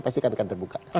pasti kami akan terbuka